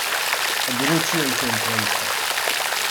"Odwróciłem się prędko."